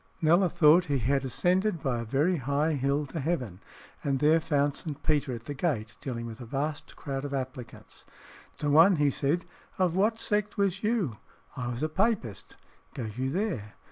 Kneller thought he had ascended by a very high hill to heaven, and there found St. Peter at the gate, dealing with a vast crowd of applicants. To one he said, "Of what sect was you?" "I was a Papist." "Go you there."